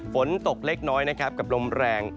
ฝนตกเล็กน้อยนะครับกับลมแรง